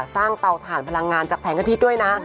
สร้างเตาถ่านพลังงานจากแสงกะทิดด้วยนะ